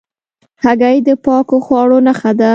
هګۍ د پاکو خواړو نښه ده.